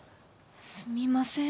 すみません。